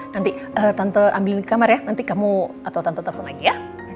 nanti tante ambilin di kamar ya nanti kamu atau tante telfon lagi ya